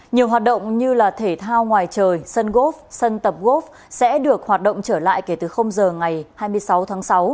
nhiều hoạt động như thể thao ngoài trời sân gốc sân tập gốc sẽ được hoạt động trở lại kể từ h ngày hai mươi sáu tháng sáu